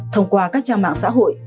thông qua các trang mạng xã hội